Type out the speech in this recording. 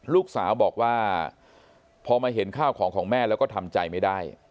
ลูกสาวบอกว่าพอมาเห็นข้าวของของแม่แล้วก็ทำใจไม่ได้